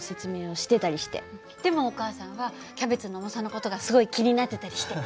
でもお母さんはキャベツの重さの事がすごい気になってたりして。